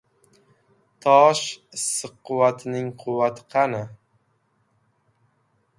«Toshissiqquvvati»ning quvvati qani?